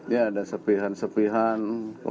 ya ada sepihan sepihan